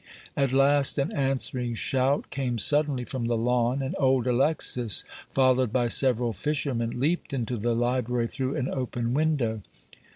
At last an answering shout came suddenly from the lawn, and old Alexis, followed by several fishermen, leaped into the library through an open window.